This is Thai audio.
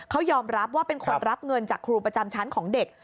เขายอมรับว่าเป็นคนรับเงินจากครูประจำชั้นของเด็ก